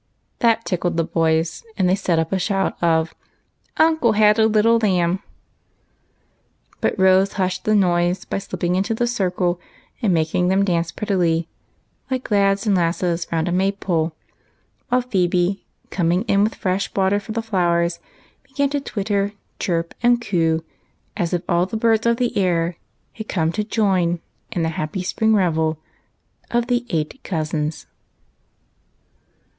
That tickled the boys, and they set up a shout of " Uncle had a little lamb !" But Rose hushed the noise by slipping into tlie cir cle, and making them dance prettily, — like lads and lasses round a May pole ; while Phebe, coming in with fresh water for the flowers, began to twitter, chirp, and coo, as if all the birds of the air had come to join in the spring revel of the eight cousins.